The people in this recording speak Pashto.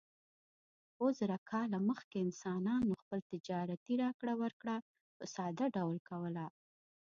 اووه زره کاله مخکې انسانانو خپل تجارتي راکړه ورکړه په ساده ډول کوله.